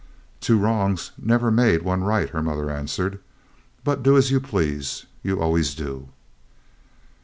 "Two wrongs never made one right," her mother answered, "but do as you please. You always do."